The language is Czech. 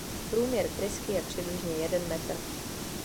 Průměr trysky je přibližně jeden metr.